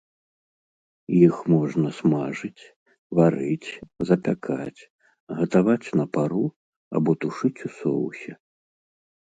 Іх можна смажыць, варыць, запякаць, гатаваць на пару або тушыць у соусе.